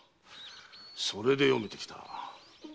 それで読めてきた。